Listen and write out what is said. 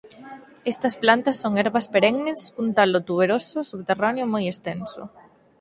Estas plantas son herbas perennes cun talo tuberoso subterráneo moi extenso.